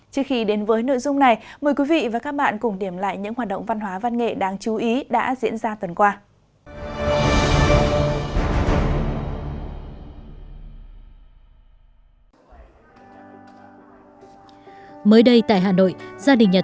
trước khi đến với nội dung này mời quý vị và các bạn cùng điểm lại những hoạt động văn hóa văn nghệ đáng chú ý đã diễn ra tuần qua